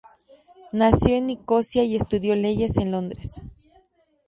Nació en Nicosia y estudió leyes en Londres.